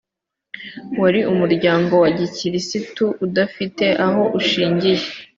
wari umuryango wa gikirisitu udafite aho ushingiye